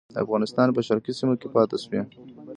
د افغانستان په شرقي سیمو کې پاته شوي.